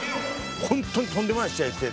本当にとんでもない試合して。